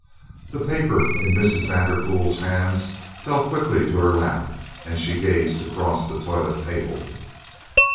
The paper in Mrs. Vanderpool's hands fell quickly to her lap, and she gazed across the toilet table.